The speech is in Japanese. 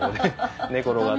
寝転がって。